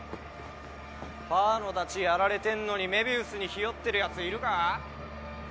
「パーのだちやられてんのに愛美愛主にひよってるやついるか？」